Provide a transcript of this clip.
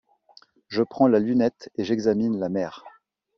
Je prends la lunette et j’examine la mer.